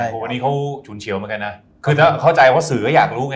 พวกนี้เขาชูนเฉียวมากันนะเข้าใจว่าสื่ออยากรู้ไง